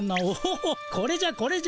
おこれじゃこれじゃ。